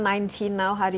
di mana anda akan menjadi